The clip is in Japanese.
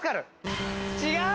違う！